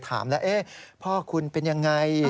ถามแล้วพ่อคุณเป็นยังไง